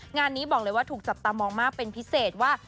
งานนี้บอกเลยว่าถูกจับตามองมากเป็นพิเศษว่า